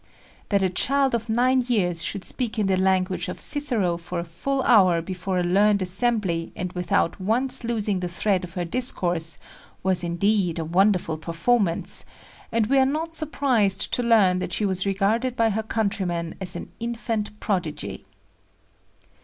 That a child of nine years should speak in the language of Cicero for a full hour before a learned assembly and without once losing the thread of her discourse was, indeed, a wonderful performance, and we are not surprised to learn that she was regarded by her countrymen as an infant prodigy.